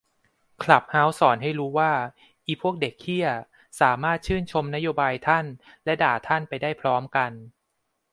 คลับเฮ้าส์สอนให้รูว่า อิพวกเด็กเหี้ยสามารถชื่นชมนโยบายทั่นและด่าท่านไปได้พร้อมกัน